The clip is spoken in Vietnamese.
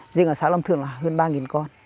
riêng ở xã lâm thượng là hơn ba con